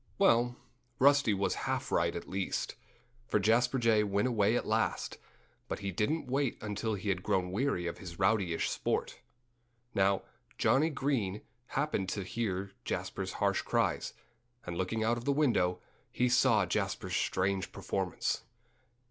Well, Rusty was half right, at least. For Jasper Jay went away at last; but he didn't wait until he had grown weary of his rowdyish sport. Now, Johnnie Green happened to hear Jasper's harsh cries. And, looking out of the window, he saw Jasper's strange performance.